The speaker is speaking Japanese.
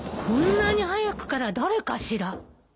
こんなに早くから誰かしら。